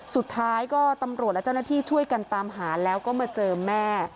สุดท้ายก็ตำรวจและเจ้าหน้าที่ช่วยกันตามหาแล้วก็มาเจอแม่